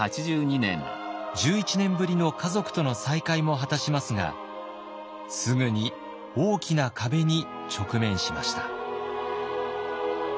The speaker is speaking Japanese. １１年ぶりの家族との再会も果たしますがすぐに大きな壁に直面しました。